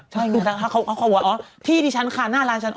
ใช่เขาก็บอกที่ที่ฉันค่ะหน้าร้านฉัน